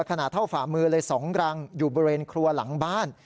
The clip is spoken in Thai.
ขนาดเท่าฝ่ามือเลย๒รังอยู่บริเวณครัวหลังบ้าน